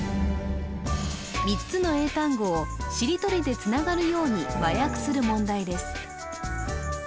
３つの英単語をしりとりで繋がるように和訳する問題です